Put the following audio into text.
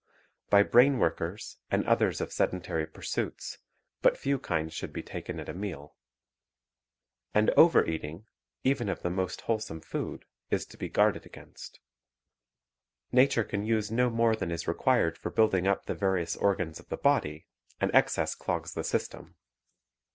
By brain workers and others of sedentary pursuits, but few kinds should be taken at a meal. And overeating, even of the most wholesome food, is to be guarded against. Nature can use no more than is required for building up the various organs of the body, and excess clogs the system.